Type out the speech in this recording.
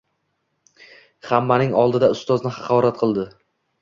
Hammaning oldida ustozni haqorat qildi.